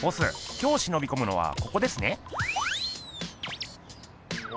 今日しのびこむのはここですね。